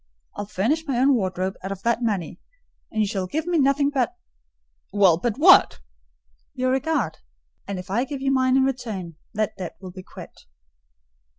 I'll furnish my own wardrobe out of that money, and you shall give me nothing but—" "Well, but what?" "Your regard; and if I give you mine in return, that debt will be quit."